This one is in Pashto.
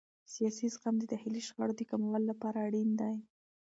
سیاسي زغم د داخلي شخړو د کمولو لپاره اړین دی